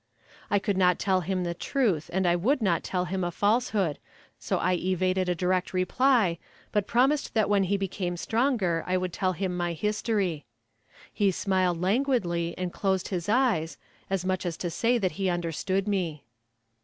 I could not tell him the truth and I would not tell him a falsehood, so I evaded a direct reply, but promised that when he became stronger I would tell him my history. He smiled languidly and closed his eyes, as much as to say that he understood me.